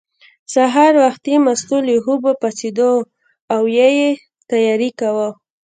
سهار وختي مستو له خوبه پاڅېده او یې تیاری کاوه.